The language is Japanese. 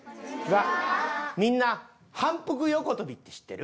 みんな反復横跳びって知ってる？